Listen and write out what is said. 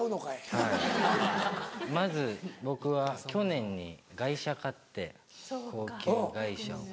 はいまず僕は去年に外車買って高級外車を。